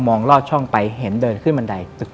มองลอดช่องไปเห็นเดินขึ้นบันได